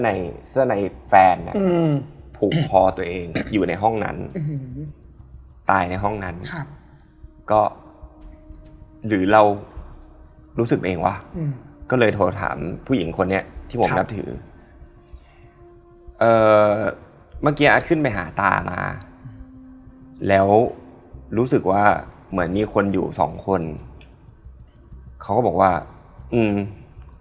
นึกถึงภาพรีสอร์ตตามต่างจังหวัด